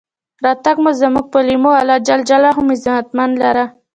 راتګ مو زمونږ پۀ لېمو، الله ج مو عزتمن لره.